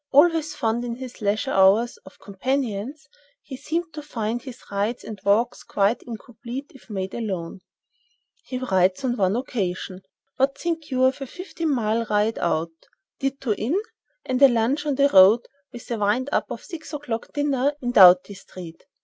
Always fond, in his leisure hours, of companions, he seemed to find his rides and walks quite incomplete if made alone. He writes on one occasion: "What think you of a fifteen mile ride out, ditto in, and a lunch on the road, with a wind up of six o'clock dinner in Doughty Street?"